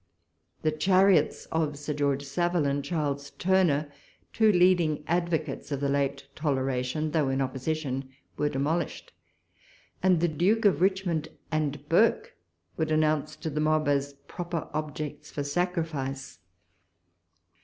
The chariots of Sir George Savile and Charles Turner, two leading advocates for the late toleration, though in Opposition, were de 180 walpole's letters. molished ; and the Duke of Richmond and Burke were denounced to the mob as proper objects for sacrifice.